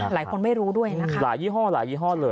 หลายคนไม่รู้ด้วยนะคะ